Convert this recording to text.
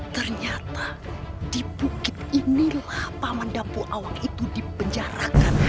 ternyata di bukit inilah paman dampu awang itu dipenjarakan